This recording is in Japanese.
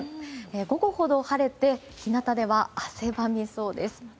午後ほど晴れて日なたでは汗ばみそうです。